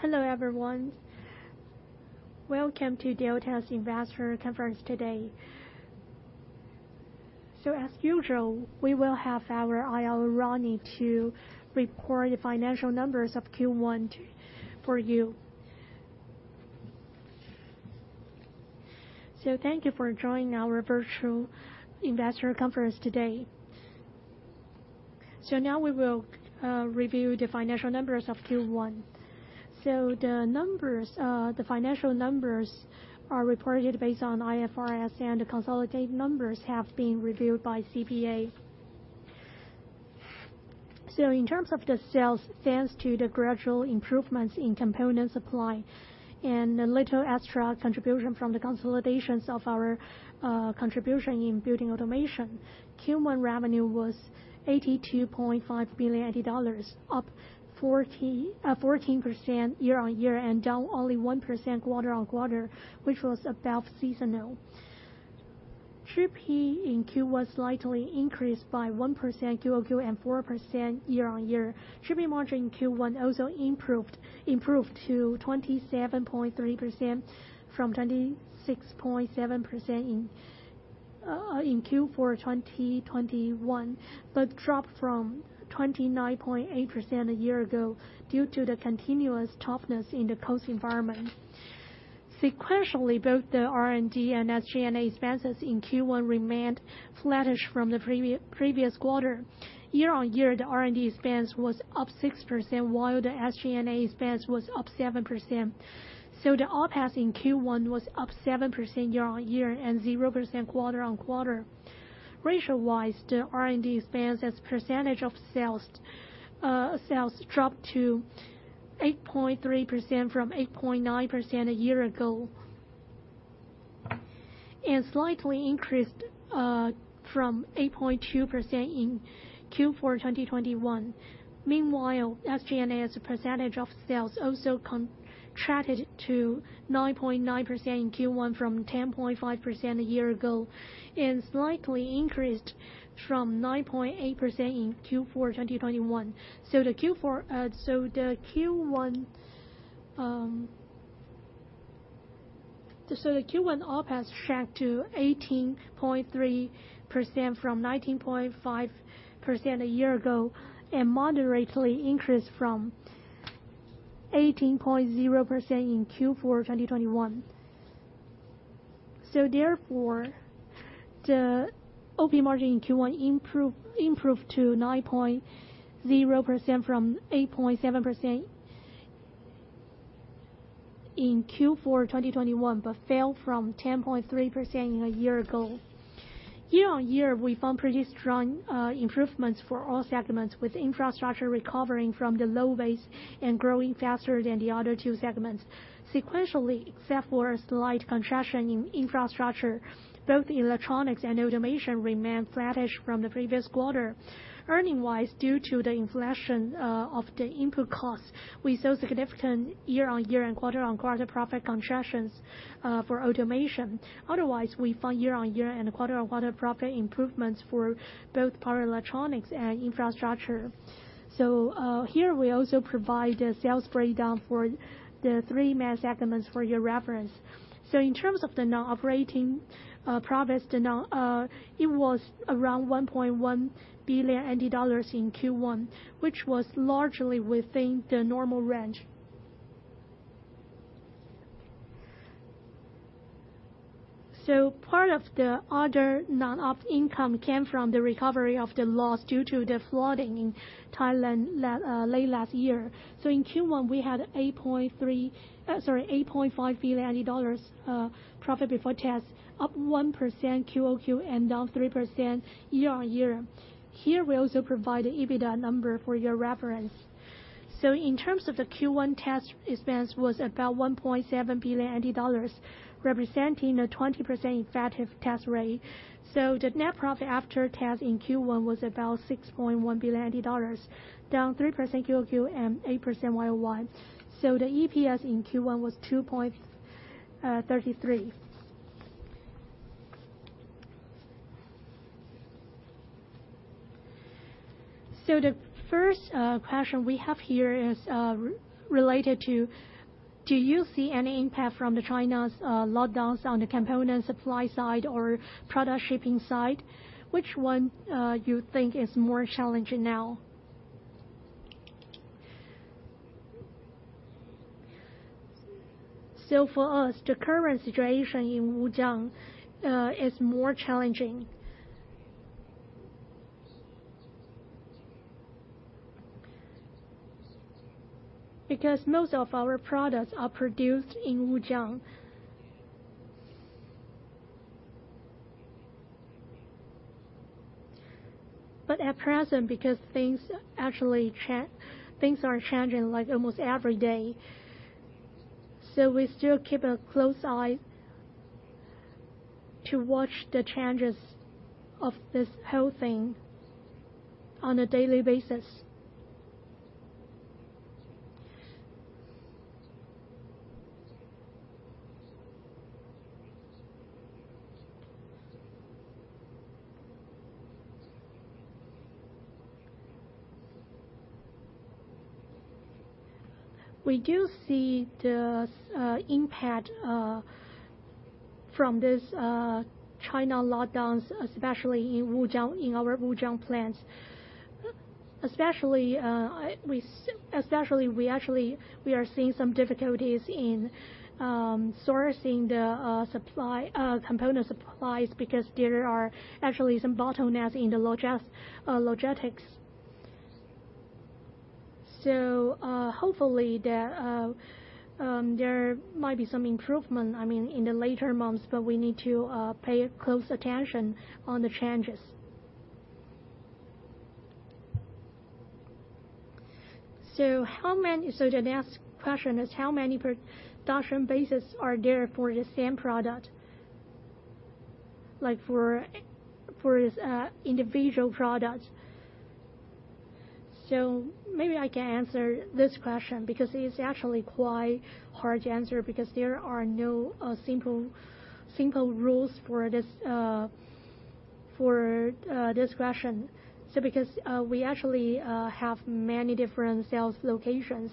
Hello, everyone. Welcome to Delta's Investor Conference today. As usual, we will have our IRO, Rodney Liu to report the financial numbers of Q1 for you. Thank you for joining our virtual investor conference today. Now, we will review the financial numbers of Q1. The financial numbers are reported based on IFRS, and the consolidated numbers have been reviewed by CPA. In terms of the sales, thanks to the gradual improvements in component supply and a little extra contribution from the consolidations of our contribution in building automation, Q1 revenue was 82.5 billion dollars, up 14% year-on-year and down only 1% quarter-on-quarter, which was above seasonal. Gross profit in Q1 slightly increased by 1% Q-o-Q and 4% year-on-year. Gross profit margin in Q1 also improved to 27.3% from 26.7% in Q4 2021, but dropped from 29.8% a year ago due to the continuous toughness in the cost environment. Sequentially, both the R&D and SG&A expenses in Q1 remained flattish from the previous quarter. Year-on-year, the R&D expense was up 6%, while the SG&A expense was up 7%. The OpEx in Q1 was up 7% year-on-year and 0% quarter-on-quarter. Ratio-wise, the R&D expense as percentage of sales dropped to 8.3% from 8.9% a year ago. Slightly increased from 8.2% in Q4 2021. Meanwhile, SG&A as a percentage of sales also contracted to 9.9% in Q1 from 10.5% a year ago, and slightly increased from 9.8% in Q4 2021. The Q1 OpEx shrank to 18.3% from 19.5% a year ago, and moderately increased from 18.0% in Q4 2021. Therefore, the operating margin in Q1 improved to 9.0% from 8.7% in Q4 2021, but fell from 10.3% a year ago. Year-on-year, we found pretty strong improvements for all segments, with infrastructure recovering from the low base and growing faster than the other two segments. Sequentially, except for a slight contraction in infrastructure, both electronics and automation remained flattish from the previous quarter. Earnings-wise, due to the inflation of the input costs, we saw significant year-over-year and quarter-over-quarter profit contractions for Automation. Otherwise, we found year-over-year and quarter-over-quarter profit improvements for both Power Electronics and Infrastructure. Here, we also provide a sales breakdown for the three main segments for your reference. In terms of the non-operating profits, it was around 1.1 billion dollars in Q1, which was largely within the normal range. Part of the other non-op income came from the recovery of the loss due to the flooding in Thailand late last year. In Q1, we had 8.5 billion dollars profit before tax, up 1% Q-o-Q and down 3% year-over-year. Here, we also provide the EBITDA number for your reference. In terms of the Q1 tax expense was about 1.7 billion dollars, representing a 20% effective tax rate. The net profit after tax in Q1 was about 6.1 billion dollars, down 3% Q-o-Q and 8% Y-o-Y. The EPS in Q1 was 2.33. The first question we have here is related to, do you see any impact from China's lockdowns on the component supply side or product shipping side? Which one you think is more challenging now? For us, the current situation in Wujiang is more challenging. Because most of our products are produced in Wujiang. At present, because things are changing like almost every day, so we still keep a close eye to watch the changes of this whole thing on a daily basis. We do see the impact from this China lockdowns, especially in Wujiang, in our Wujiang plants. Especially, we actually are seeing some difficulties in sourcing the supply component supplies, because there are actually some bottlenecks in the logistics. So, hopefully there might be some improvement, I mean, in the later months, but we need to pay close attention on the changes. So the next question is how many production bases are there for the same product, like for this individual product? Maybe I can answer this question because it's actually quite hard to answer because there are no simple rules for this question. Because we actually have many different sales locations.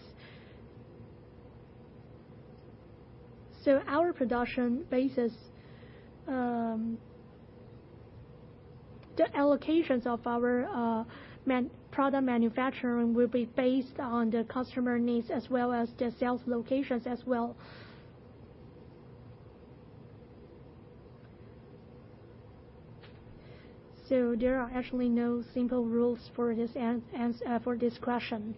Our production bases, the allocations of our product manufacturing will be based on the customer needs as well as the sales locations as well. There are actually no simple rules for this question.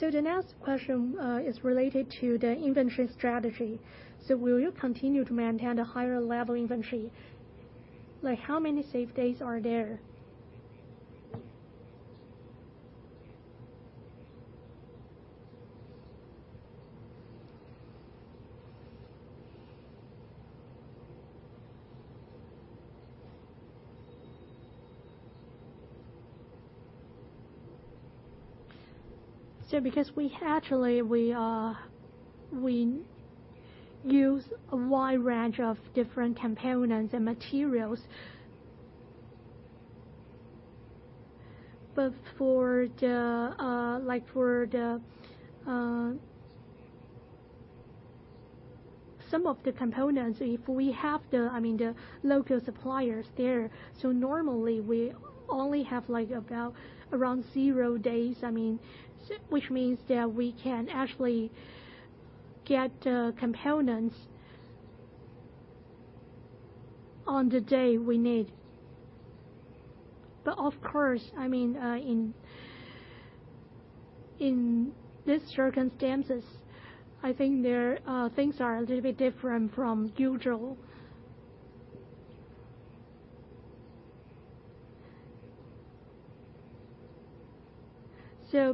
The next question is related to the inventory strategy. Will you continue to maintain the higher level inventory? Like, how many safe days are there? Because we actually use a wide range of different components and materials. For some of the components, if we have the local suppliers there, so normally we only have like about around zero days. I mean, which means that we can actually get the components on the day we need. Of course, I mean, in these circumstances, I think things are a little bit different from usual.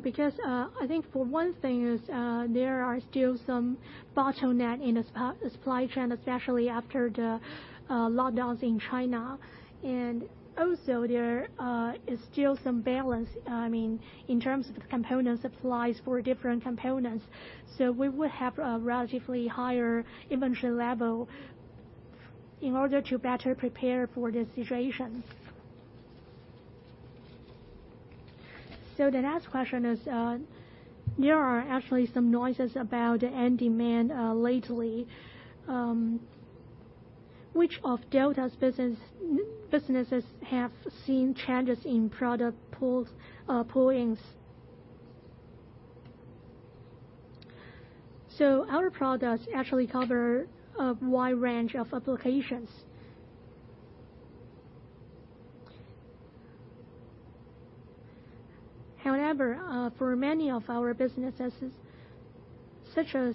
Because I think for one thing, there are still some bottlenecks in the supply chain, especially after the lockdowns in China. And also there is still some imbalance, I mean, in terms of the component supplies for different components. We would have a relatively higher inventory level in order to better prepare for the situations. The next question is, there are actually some noises about the end demand lately. Which of Delta's businesses have seen changes in product pulls, pull-ins? Our products actually cover a wide range of applications. However, for many of our businesses, such as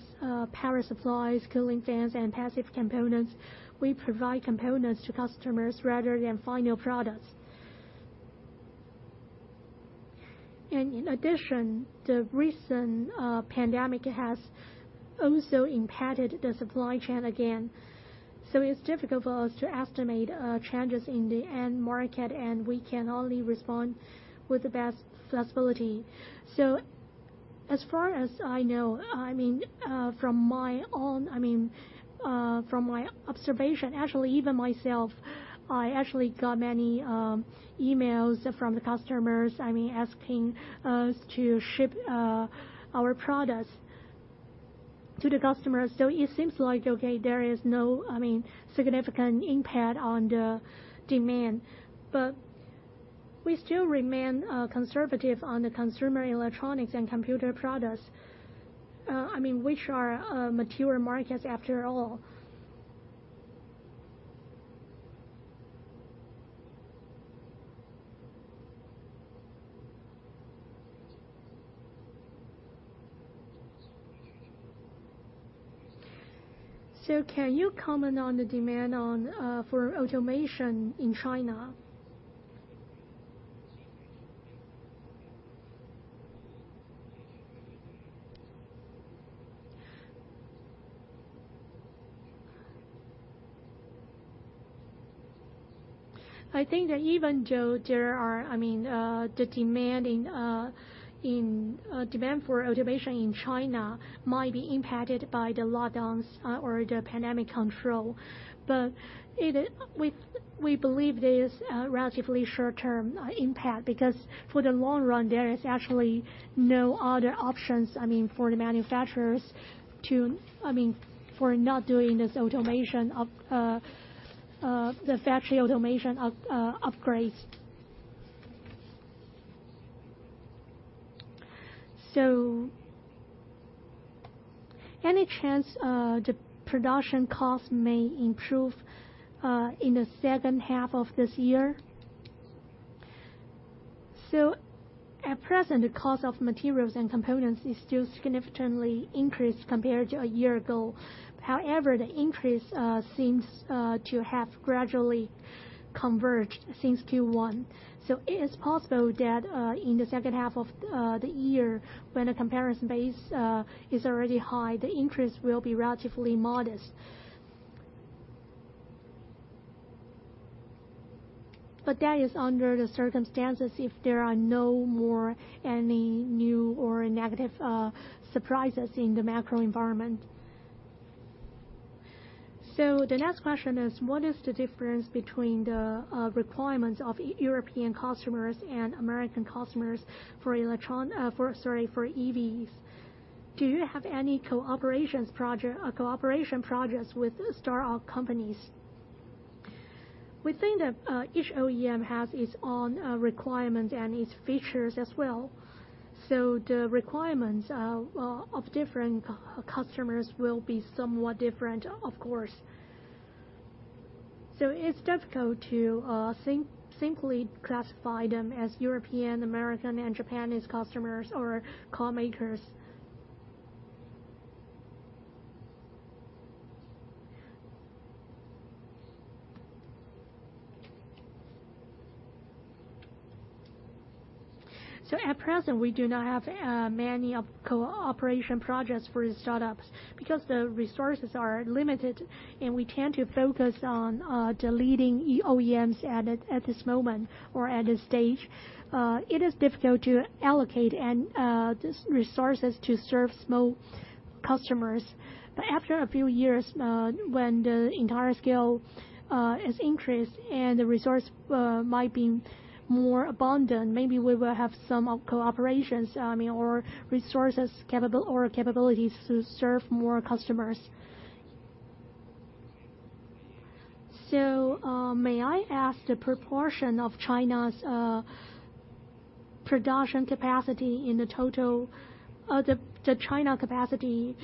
power supplies, cooling fans, and passive components, we provide components to customers rather than final products. In addition, the recent pandemic has also impacted the supply chain again. It's difficult for us to estimate changes in the end market, and we can only respond with the best flexibility. As far as I know, I mean, from my observation, actually even myself, I actually got many emails from the customers, I mean, asking us to ship our products to the customers. It seems like there is no, I mean, significant impact on the demand. We still remain conservative on the consumer electronics and computer products, I mean, which are mature markets after all. Can you comment on the demand for Automation in China? I think that even though, I mean, the demand for Automation in China might be impacted by the lockdowns or the pandemic control. We believe it is a relatively short-term impact, because for the long run, there is actually no other options, I mean, for the manufacturers, I mean, for not doing the factory Automation upgrades. Any chance the production cost may improve in the second half of this year? At present, the cost of materials and components is still significantly increased compared to a year ago. However, the increase seems to have gradually converged since Q1. It is possible that in the second half of the year, when the comparison base is already high, the increase will be relatively modest. That is under the circumstances if there are no more any new or negative surprises in the macro environment. The next question is, what is the difference between the requirements of European customers and American customers for EVs? Do you have any cooperation projects with startup companies? We think that each OEM has its own requirement and its features as well. The requirements, well, of different customers will be somewhat different, of course. It's difficult to simply classify them as European, American and Japanese customers or car makers. At present, we do not have many of cooperation projects for startups because the resources are limited, and we tend to focus on the leading EV OEMs at this moment or at this stage. It is difficult to allocate and these resources to serve small customers. After a few years, when the entire scale is increased and the resource might be more abundant, maybe we will have some of cooperations, I mean, or capabilities to serve more customers. May I ask the proportion of China's production capacity in the total... The China capacity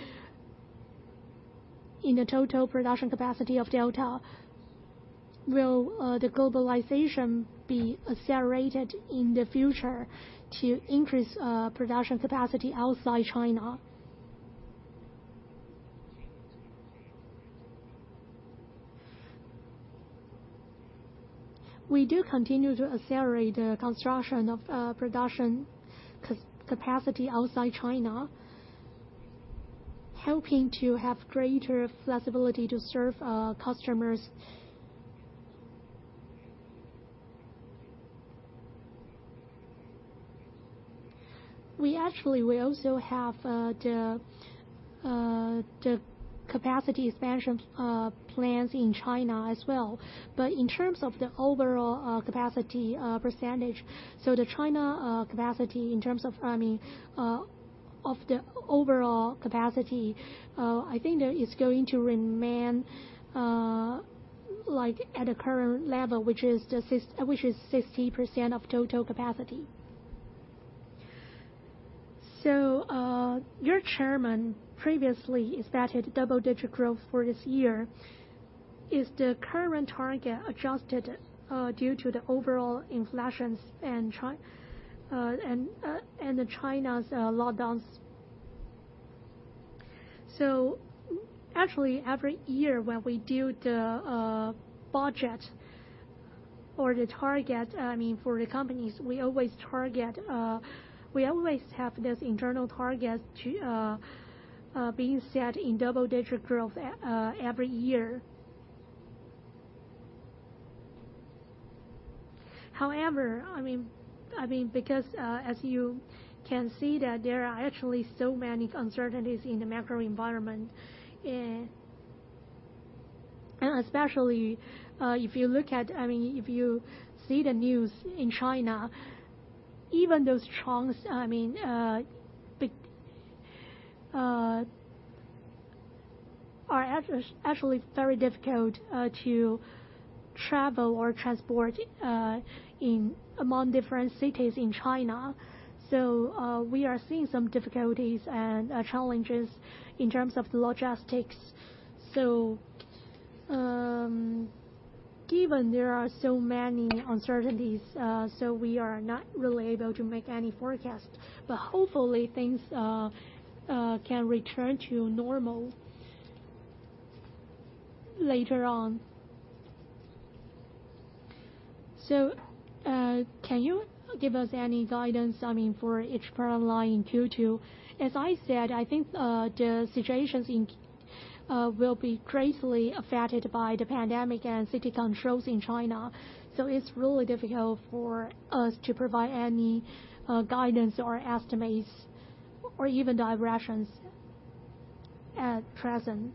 in the total production capacity of Delta, will the globalization be accelerated in the future to increase production capacity outside China? We do continue to accelerate the construction of production capacity outside China, helping to have greater flexibility to serve our customers. We actually will also have the capacity expansion plans in China as well. But in terms of the overall capacity percentage, so the China capacity in terms of, I mean, of the overall capacity, I think that it's going to remain like at a current level, which is 60% of total capacity. Your chairman previously expected double-digit growth for this year. Is the current target adjusted due to the overall inflations and China's lockdowns? Actually, every year when we do the budget or the target, I mean, for the companies, we always target, we always have this internal target to being set in double-digit growth every year. However, I mean, because as you can see that there are actually so many uncertainties in the macro environment. Especially, if you see the news in China, even those trucks, I mean, are actually very difficult to travel or transport in and among different cities in China. We are seeing some difficulties and challenges in terms of the logistics. Given there are so many uncertainties, we are not really able to make any forecast. Hopefully things can return to normal later on. Can you give us any guidance, I mean, for each product line in Q2? As I said, I think, the situations in, will be greatly affected by the pandemic and city controls in China. It's really difficult for us to provide any, guidance or estimates or even directions at present.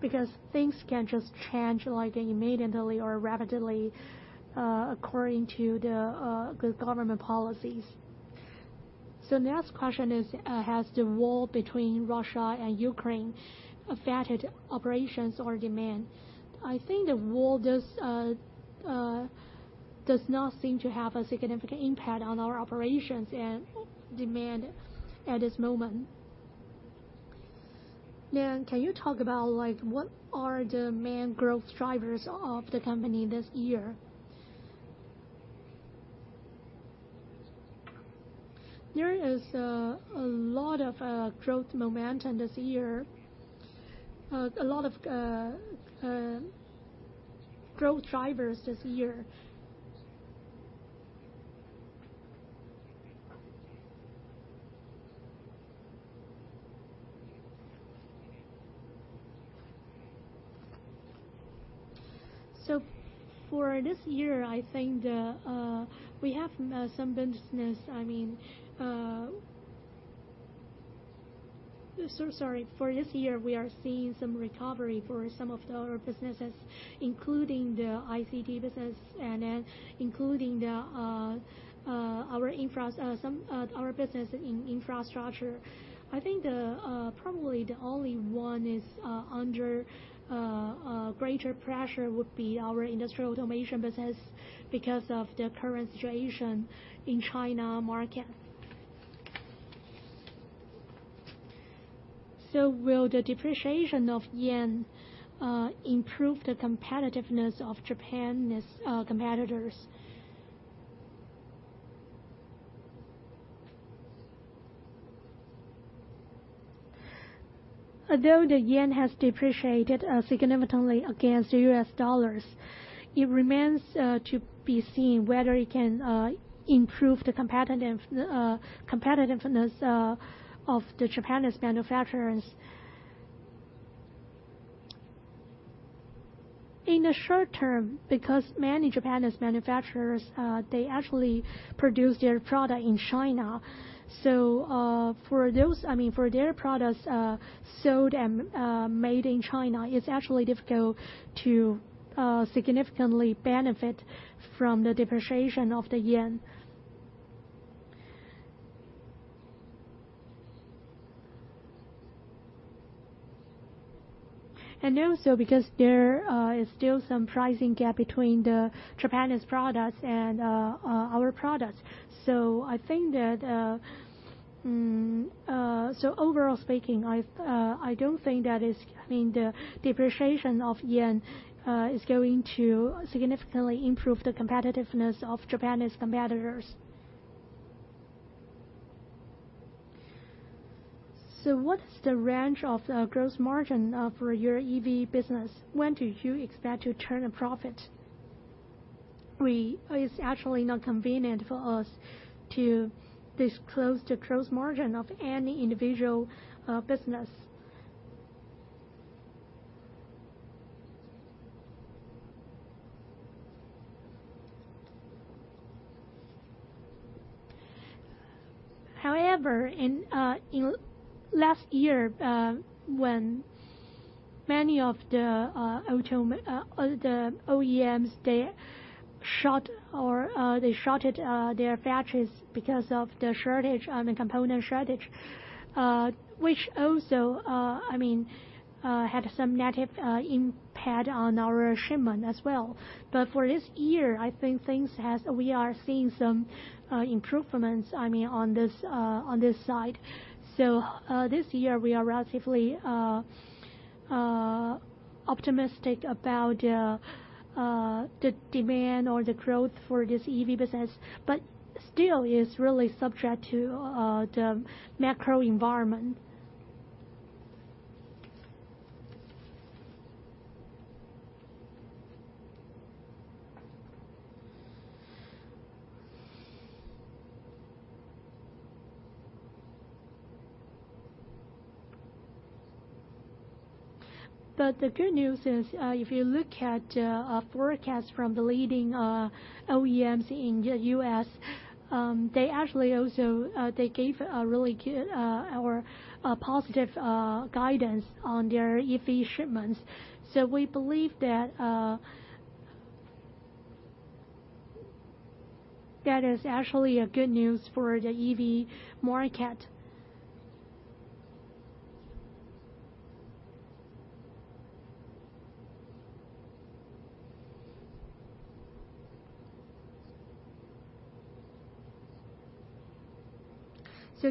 Because things can just change, like, immediately or rapidly, according to the government policies. The next question is, has the war between Russia and Ukraine affected operations or demand? I think the war does not seem to have a significant impact on our operations and demand at this moment. Can you talk about, like, what are the main growth drivers of the company this year? There is a lot of growth momentum this year, a lot of growth drivers this year. For this year, we are seeing some recovery for some of our businesses, including the ICT business and then including our business in infrastructure. I think probably the only one under greater pressure would be our industrial automation business because of the current situation in China market. Will the depreciation of yen improve the competitiveness of Japan's competitors? Although the yen has depreciated significantly against the U.S. dollars, it remains to be seen whether it can improve the competitiveness of the Japanese manufacturers. In the short term, because many Japanese manufacturers they actually produce their product in China. For those, I mean, for their products, sold and made in China, it's actually difficult to significantly benefit from the depreciation of the yen. Also because there is still some pricing gap between the Japanese products and our products. I think that, overall speaking, I don't think that is, I mean, the depreciation of yen is going to significantly improve the competitiveness of Japanese competitors. What is the range of the gross margin for your EV business? When do you expect to turn a profit? It's actually not convenient for us to disclose the gross margin of any individual business. However, in last year, when many of the OEMs, they shorted their batches because of the shortage, I mean, component shortage. Which also, I mean, had some negative impact on our shipment as well. For this year, I think we are seeing some improvements, I mean, on this side. This year we are relatively optimistic about the demand or the growth for this EV business. Still it's really subject to the macro environment. The good news is, if you look at a forecast from the leading OEMs in the U.S., they actually also gave a really good or a positive guidance on their EV shipments. We believe that is actually a good news for the EV market.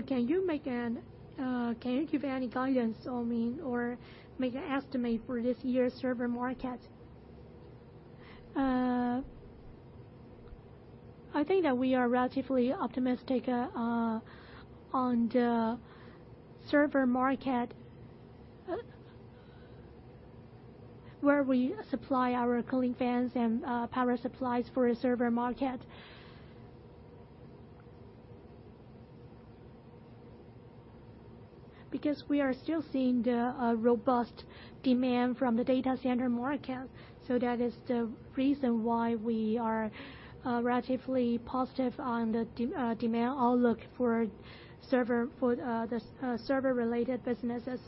Can you give any guidance on, I mean, or make an estimate for this year's server market? I think that we are relatively optimistic on the server market where we supply our cooling fans and power supplies for a server market. Because we are still seeing the robust demand from the data center market. That is the reason why we are relatively positive on the demand outlook for the server related businesses.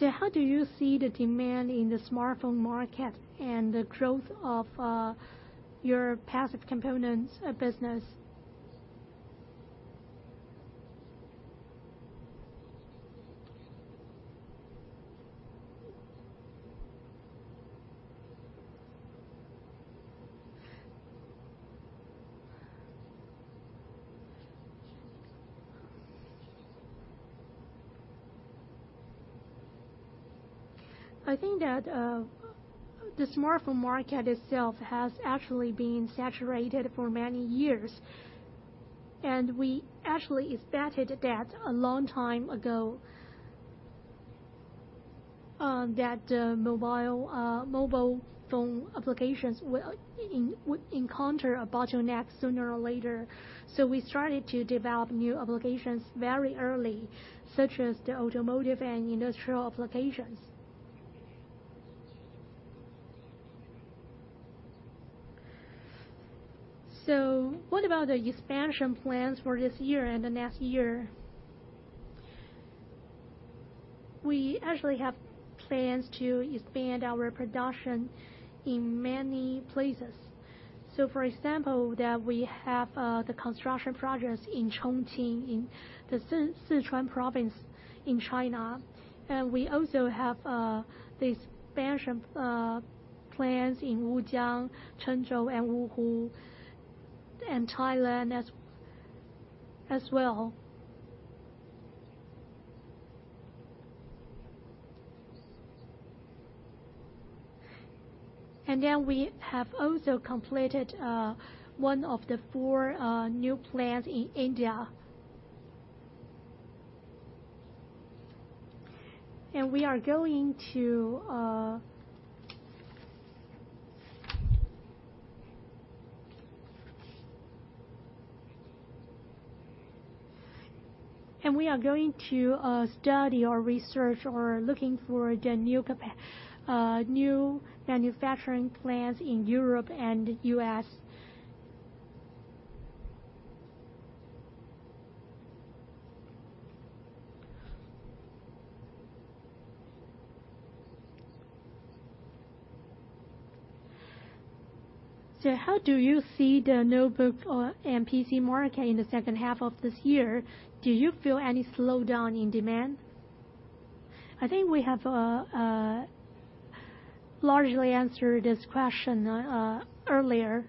How do you see the demand in the smartphone market and the growth of your passive components business? I think that the smartphone market itself has actually been saturated for many years, and we actually expected that a long time ago that the mobile phone applications would encounter a bottleneck sooner or later. We started to develop new applications very early, such as the automotive and industrial applications. What about the expansion plans for this year and the next year? We actually have plans to expand our production in many places. For example, that we have the construction projects in Chongqing, in the Sichuan province in China. We also have the expansion plans in Wujiang, Zhengzhou and Wuhu and Thailand as well. We have also completed one of the four new plants in India. We are going to. We are going to study or research or looking for new manufacturing plants in Europe and U.S. So how do you see the notebook or PC market in the second half of this year? Do you feel any slowdown in demand? I think we have largely answered this question earlier.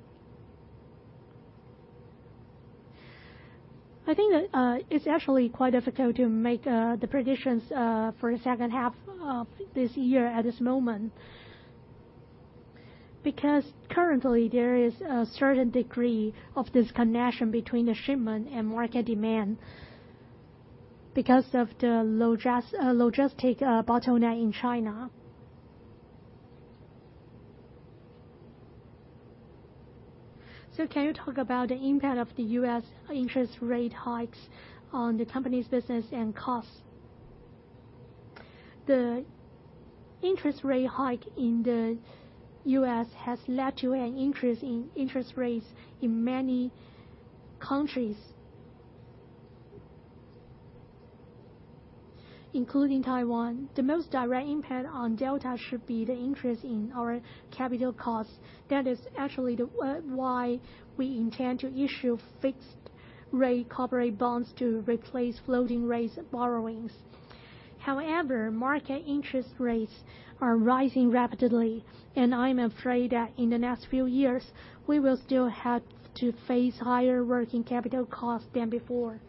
I think that it's actually quite difficult to make the predictions for the second half of this year at this moment. Because currently there is a certain degree of disconnection between the shipment and market demand because of the logistic bottleneck in China. So can you talk about the impact of the U.S. interest rate hikes on the company's business and costs? The interest rate hike in the U.S. has led to an increase in interest rates in many countries, including Taiwan. The most direct impact on Delta should be the interest in our capital costs. That is actually the why we intend to issue fixed rate corporate bonds to replace floating rates borrowings. However, market interest rates are rising rapidly, and I'm afraid that in the next few years we will still have to face higher working capital costs than before.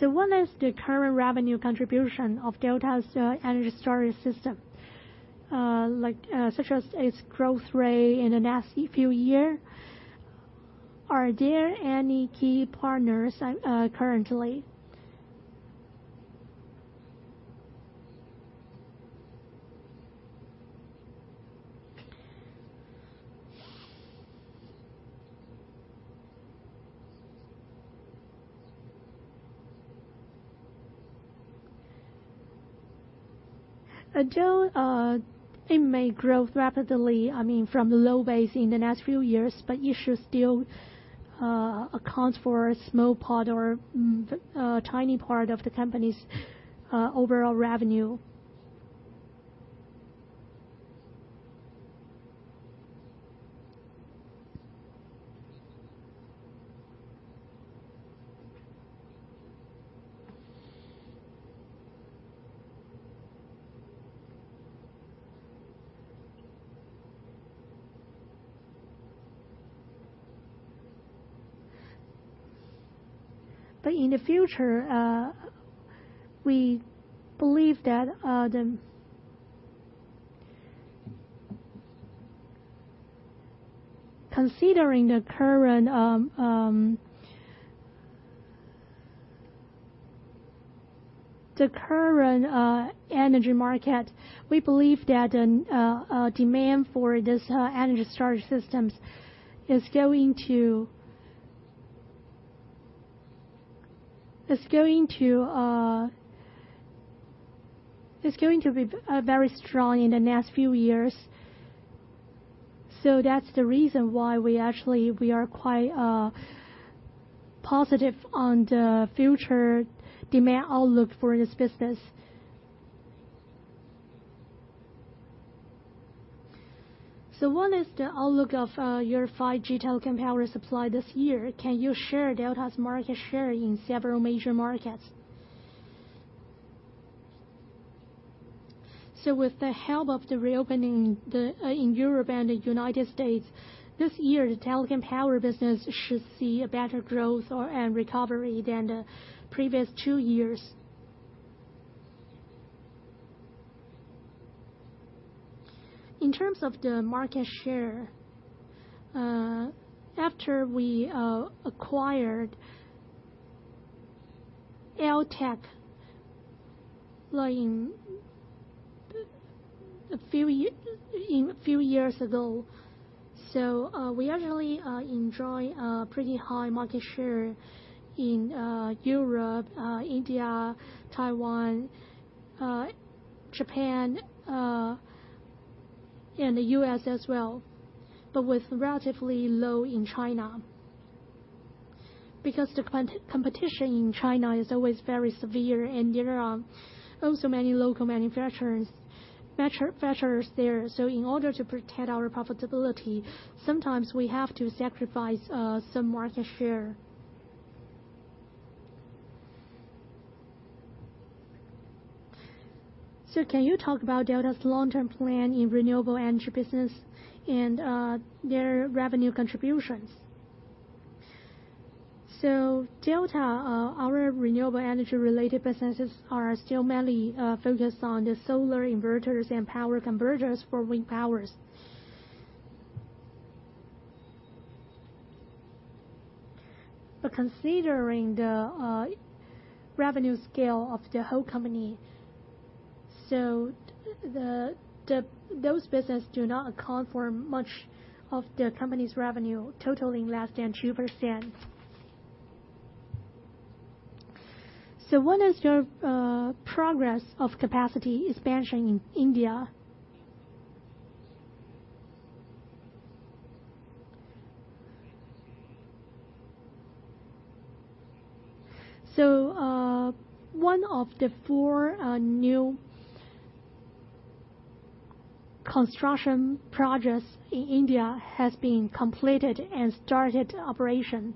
What is the current revenue contribution of Delta's Energy Storage System? Like, such as its growth rate in the next few years. Are there any key partners currently? Although it may grow rapidly, I mean, from the low base in the next few years, but it should still account for a small part or tiny part of the company's overall revenue. In the future, we believe that the considering the current. The current energy market, we believe that demand for this energy storage systems is going to be very strong in the next few years. That's the reason why we actually are quite positive on the future demand outlook for this business. What is the outlook of your 5G telecom power supply this year? Can you share Delta's market share in several major markets? With the help of the reopening in Europe and the United States, this year the telecom power business should see a better growth and recovery than the previous two years. In terms of the market share, after we acquired Eltek, like in a few years ago. We actually enjoy a pretty high market share in Europe, India, Taiwan, Japan, and the U.S. as well. But with relatively low in China. Because the competition in China is always very severe, and there are also many local manufacturers there. So in order to protect our profitability, sometimes we have to sacrifice some market share. Can you talk about Delta's long-term plan in renewable energy business and their revenue contributions? Delta, our renewable energy-related businesses are still mainly focused on the solar inverters and power converters for wind power. But considering the revenue scale of the whole company, those businesses do not account for much of the company's revenue, totaling less than 2%. What is your progress of capacity expansion in India? One of the four new construction projects in India has been completed and started operation.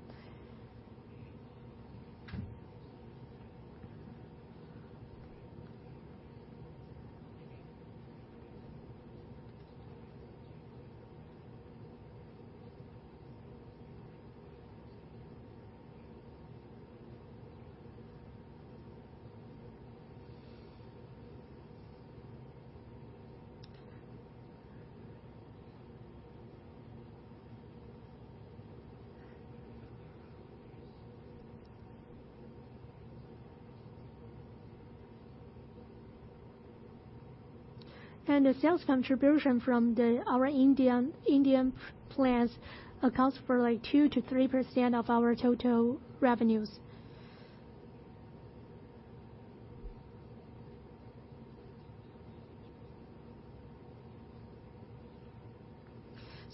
The sales contribution from our Indian plants accounts for like 2%-3% of our total revenues.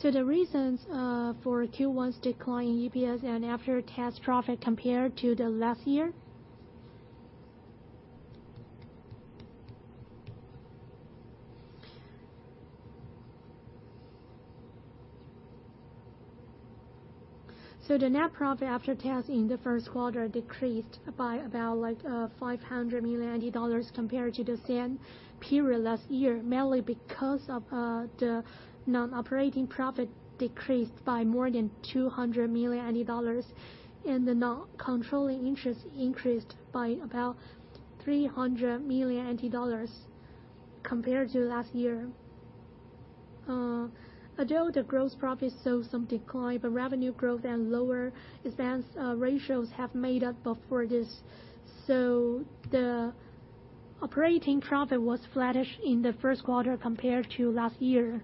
The reasons for Q1's decline in EPS and after-tax profit compared to last year? The net profit after tax in the first quarter decreased by about 500 million dollars compared to the same period last year, mainly because the non-operating profit decreased by more than 200 million, and the non-controlling interest increased by about 300 million compared to last year. Although the gross profit saw some decline, but revenue growth and lower expense ratios have made up for this. The operating profit was flattish in the first quarter compared to last year.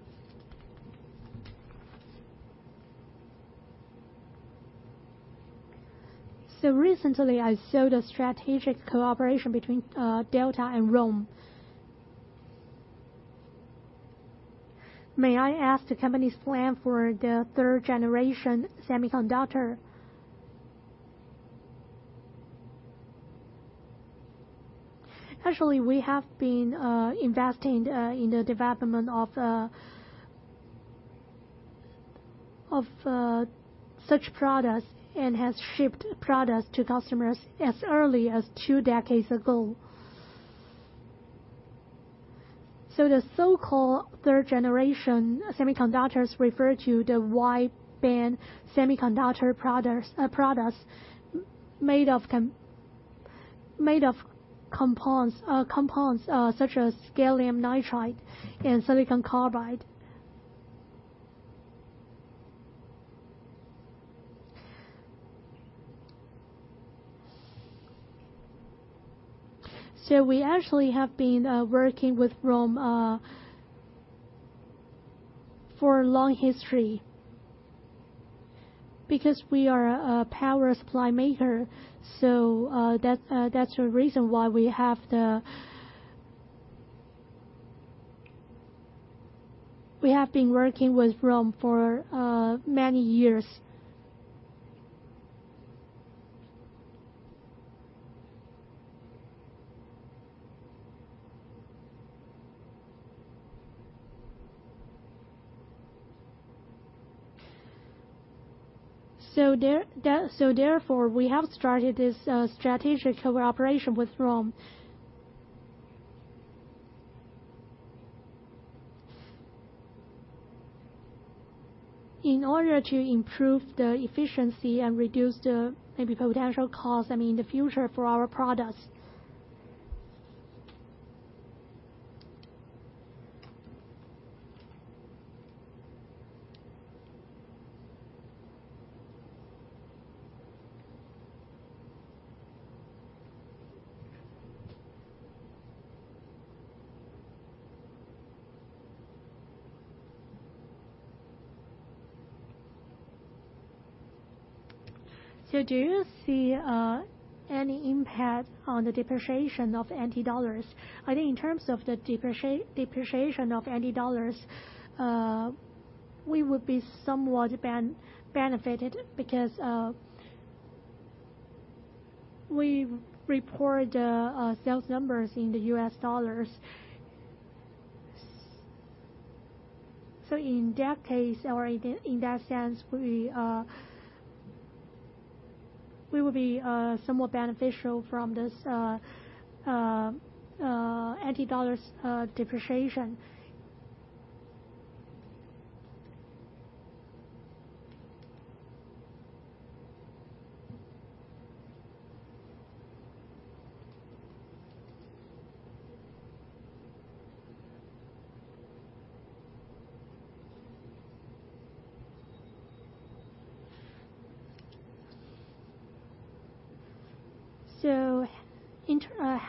Recently, I saw the strategic cooperation between Delta and ROHM. May I ask the company's plan for the third generation semiconductor? Actually, we have been investing in the development of such products and has shipped products to customers as early as two decades ago. The so-called third generation semiconductors refer to the wide bandgap semiconductor products made of compounds such as gallium nitride and silicon carbide. We actually have been working with ROHM for a long history because we are a power supply maker. That's the reason why we have been working with ROHM for many years. Therefore, we have started this strategic cooperation with ROHM. In order to improve the efficiency and reduce the maybe potential cost, I mean, in the future for our products. Do you see any impact on the depreciation of NT dollars? I think in terms of the depreciation of NT dollars, we would be somewhat benefited because we report sales numbers in the U.S. dollars. In that case, or in that, in that sense, we will be somewhat beneficial from this NT dollars depreciation.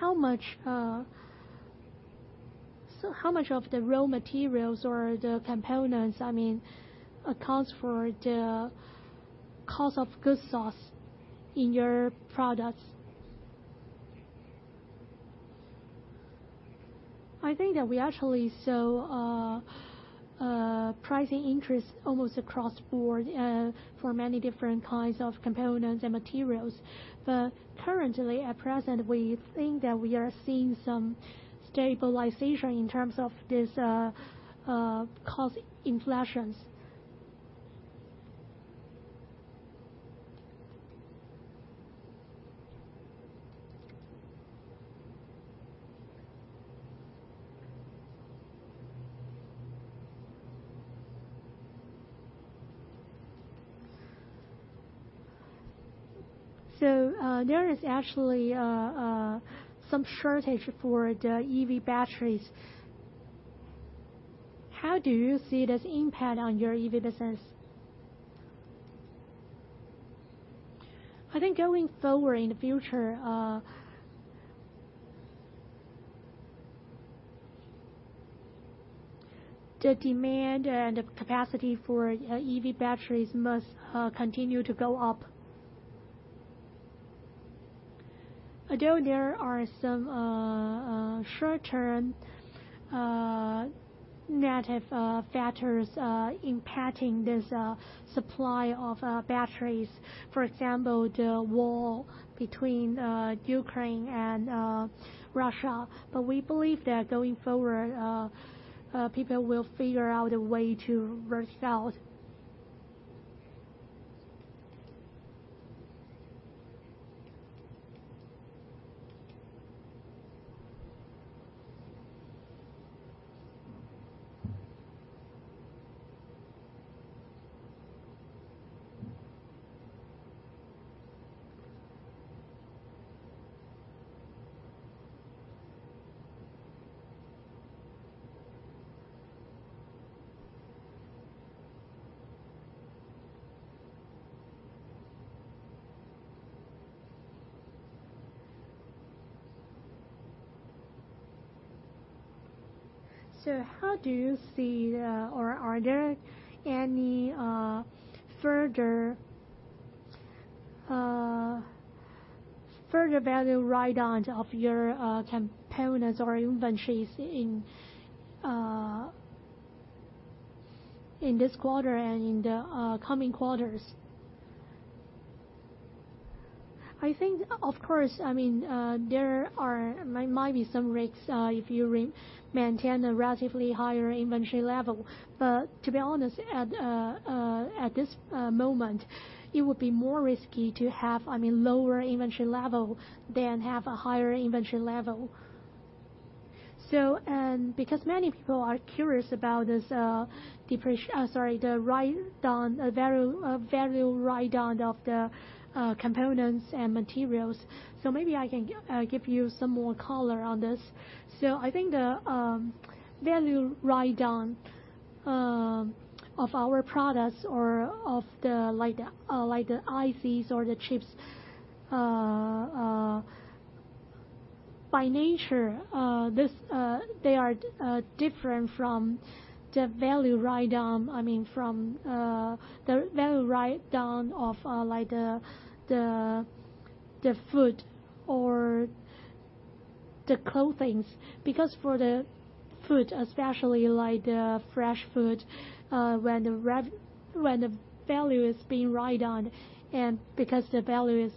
How much of the raw materials or the components, I mean, accounts for the cost of goods sourced in your products? I think that we actually saw price increases almost across the board for many different kinds of components and materials. Currently, at present, we think that we are seeing some stabilization in terms of this cost inflation. There is actually some shortage for the EV batteries. How do you see this impact on your EV business? I think going forward in the future the demand and the capacity for EV batteries must continue to go up. Although there are some short-term negative factors impacting this supply of batteries, for example, the war between Ukraine and Russia. We believe that going forward people will figure out a way to resolve. How do you see, or are there any further value write-downs of your components or inventories in this quarter and in the coming quarters? I think of course, I mean, there might be some risks, if you maintain a relatively higher inventory level. To be honest, at this moment, it would be more risky to have, I mean, lower inventory level than have a higher inventory level. Because many people are curious about this, sorry, the value write down of the components and materials. Maybe I can give you some more color on this. I think the value write down of our products or of the, like the ICs or the chips, by nature, they are different from the value write down. I mean, from the value write-down of, like the food or the clothing. Because for the food, especially like the fresh food, when the value is being written down, and because the value is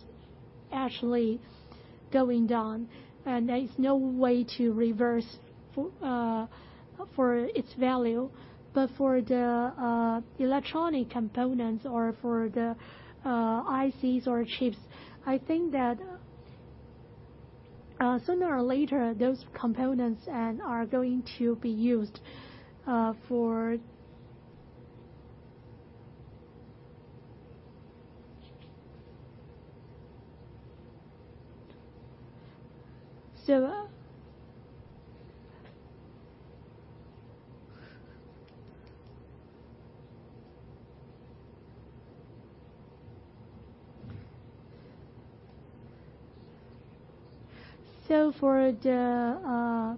actually going down, and there is no way to reverse its value. But for the electronic components or for the ICs or chips, I think that sooner or later, those components are going to be used. For the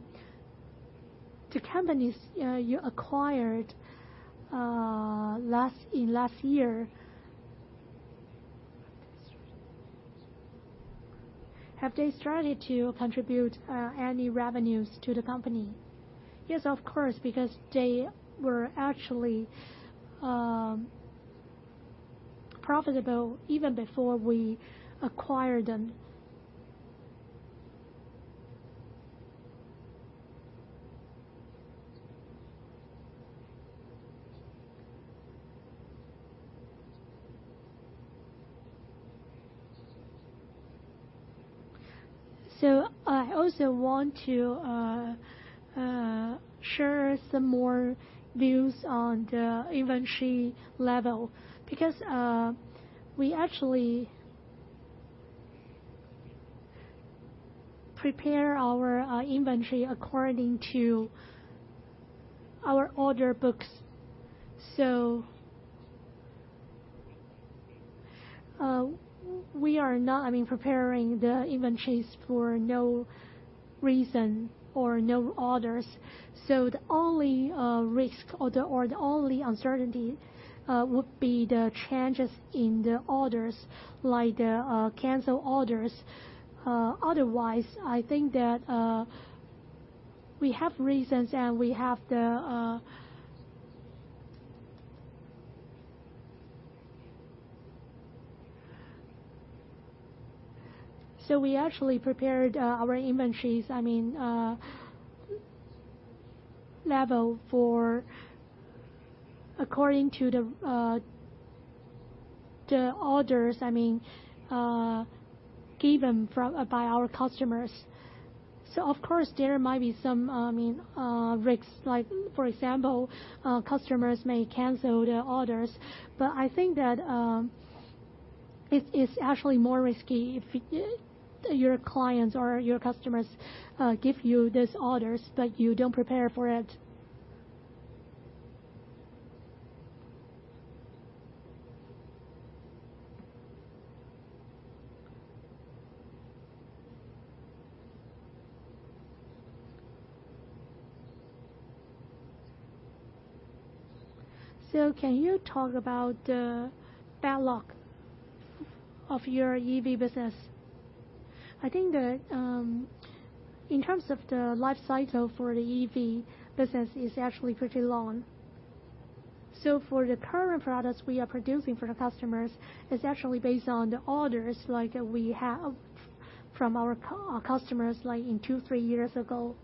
companies you acquired last year, have they started to contribute any revenues to the company? Yes, of course, because they were actually profitable even before we acquired them. I also want to share some more views on the inventory level, because we actually prepare our inventory according to our order books. We are not, I mean, preparing the inventories for no reason or no orders. The only risk or the only uncertainty would be the changes in the orders, like the cancel orders. Otherwise, I think that we have reasons. We actually prepared our inventories, I mean, level for according to the orders, I mean, given from, by our customers. Of course, there might be some, I mean, risks, like for example, customers may cancel their orders. I think that it is actually more risky if your clients or your customers give you these orders, but you don't prepare for it. Can you talk about the backlog of your EV business? I think that in terms of the life cycle for the EV business is actually pretty long. For the current products we are producing for the customers, it's actually based on the orders like we have from our customers, like in two, three years ago.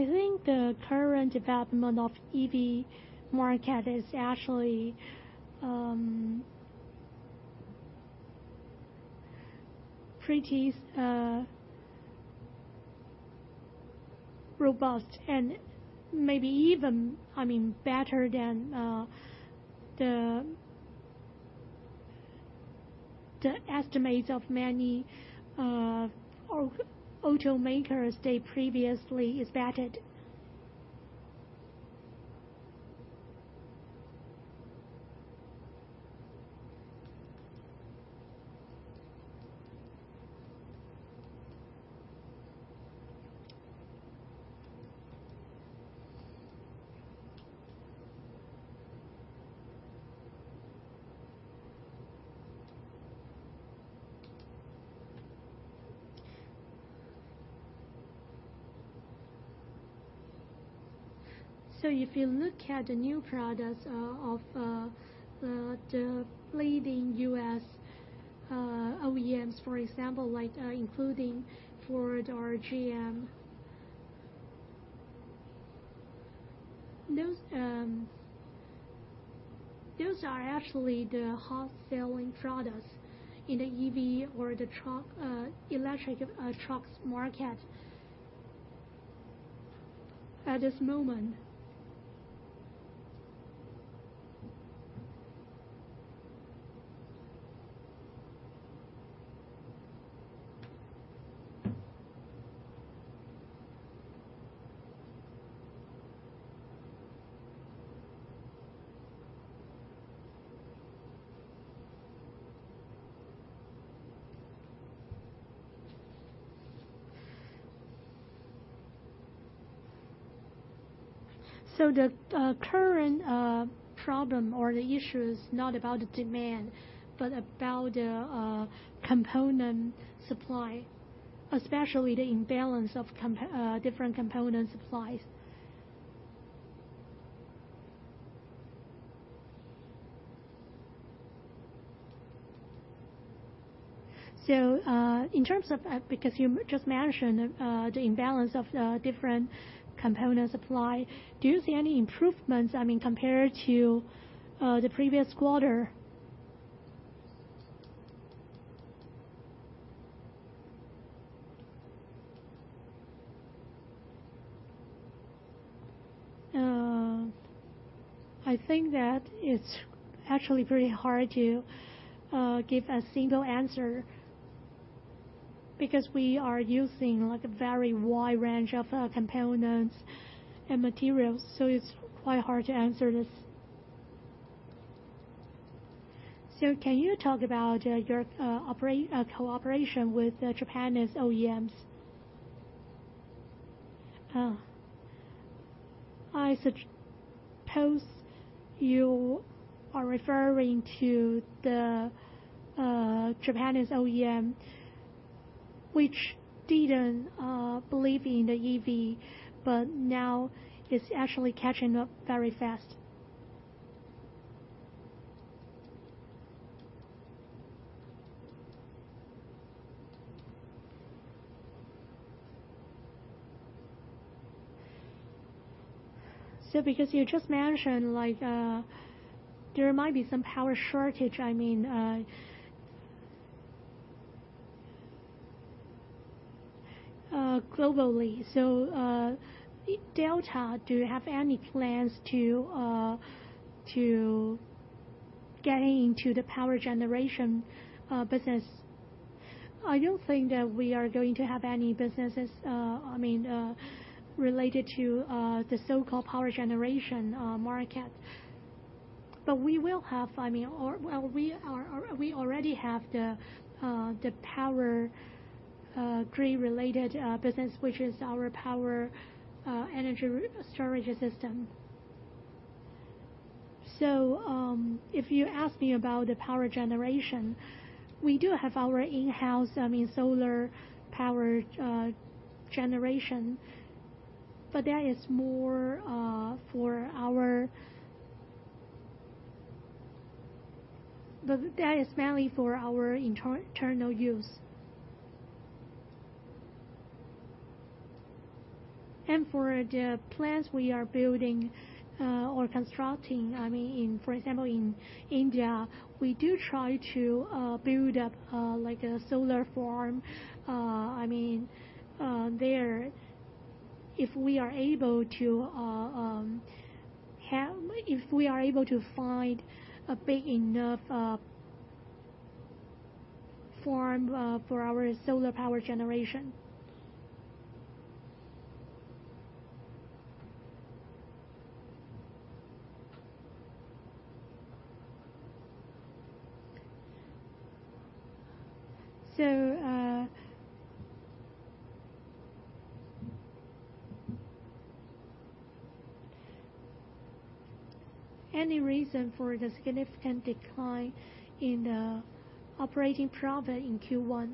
I think the current development of EV market is actually pretty robust and maybe even, I mean, better than the estimates of many automakers they previously expected. If you look at the new products of the leading U.S. OEMs, for example, like including Ford or GM. Those are actually the hot selling products in the EV or the truck electric trucks market at this moment. The current problem or the issue is not about the demand, but about the component supply, especially the imbalance of different component supplies. In terms of, because you just mentioned, the imbalance of the different component supply, do you see any improvements, I mean, compared to, the previous quarter? I think that it's actually very hard to give a single answer because we are using like a very wide range of components and materials, so it's quite hard to answer this. Can you talk about your cooperation with the Japanese OEMs? I suppose you are referring to the Japanese OEM which didn't believe in the EV, but now it's actually catching up very fast. Because you just mentioned like there might be some power shortage, I mean globally. Did Delta do you have any plans to get into the power generation business? I don't think that we are going to have any businesses, I mean related to the so-called power generation market. We will have, I mean, or, well, we already have the power grid-related business, which is our power energy storage system. If you ask me about the power generation, we do have our in-house, I mean, solar power generation, but that is more for our. That is mainly for our internal use. For the plants we are building or constructing, I mean, for example, in India, we do try to build up like a solar farm, I mean, there, if we are able to have. If we are able to find a big enough farm for our solar power generation. Any reason for the significant decline in operating profit in Q1?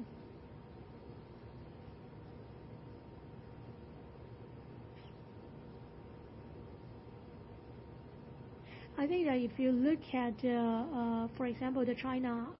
I think that if you look at, for example, the China-